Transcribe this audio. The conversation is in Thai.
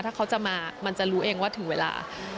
ถ้าเขาจะมามันจะรู้เองว่าถึงเวลา